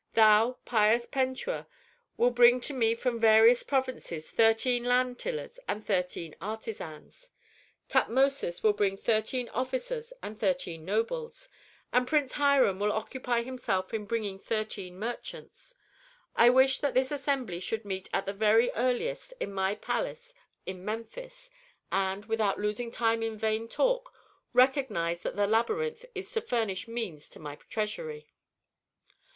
Thou, pious Pentuer, will bring to me from various provinces thirteen land tillers and thirteen artisans. Tutmosis will bring thirteen officers and thirteen nobles; and Prince Hiram will occupy himself in bringing thirteen merchants. I wish that this assembly should meet at the very earliest in my palace in Memphis and, without losing time in vain talk, recognize that the labyrinth is to furnish means to my treasury."